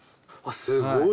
すごい。